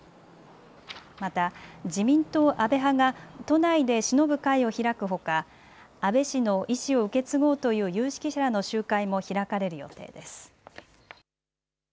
また自民党安倍派が都内でしのぶ会を開くほか安倍氏の遺志を受け継ごうという有識者らの集会も開かれる予定です。